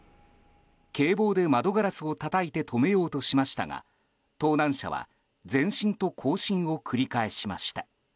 警棒で窓ガラスをたたいて止めようとしましたが盗難車は前進と後進を繰り返しました。